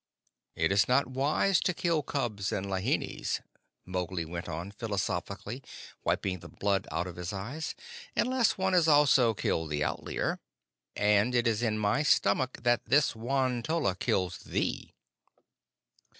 "It is not wise to kill cubs and lahinis," Mowgli went on, philosophically, wiping the blood out of his eyes, "unless one has also killed the Outlier; and it is in my stomach that this Won tolla kills thee."